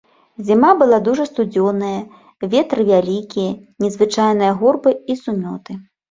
Зіма была дужа сцюдзёная, ветры вялікія, незвычайныя гурбы і сумёты.